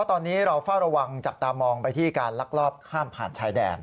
ตอนนี้เราเฝ้าระวังจับตามองไปที่การลักลอบข้ามผ่านชายแดน